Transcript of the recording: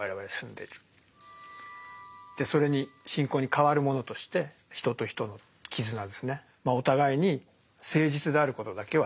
でそれに信仰に代わるものとして人と人の絆ですねお互いに誠実であることだけは大切にしようじゃないかと。